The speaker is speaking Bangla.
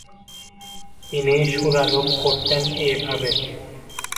তিনি সুরারোপ করতেন এ ভাবেঃ